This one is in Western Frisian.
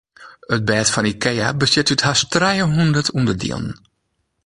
It bêd fan Ikea bestiet út hast trijehûndert ûnderdielen.